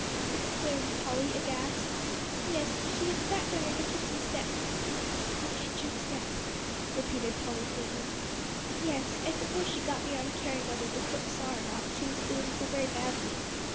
exclaimed Polly, aghast. "Yes; she had sat down on the kitchen step." "The kitchen step," repeated Polly faintly. "Yes. I suppose she got beyond caring whether the cook saw or not, she was feeling so very badly.